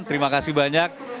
terima kasih banyak